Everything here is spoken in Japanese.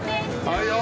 はいよ！